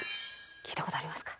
聞いたことありますか？